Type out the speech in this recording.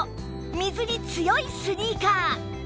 水に強いスニーカー